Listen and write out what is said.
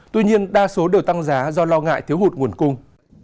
tuy nhiên đa số đều tăng giá do lo ngại thiếu hụt nguồn cung